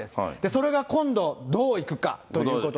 それが今度どういくかということで。